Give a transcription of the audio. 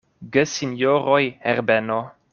Gesinjoroj Herbeno!